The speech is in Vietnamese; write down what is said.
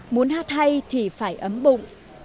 muốn hát hay thì phải ấm bụng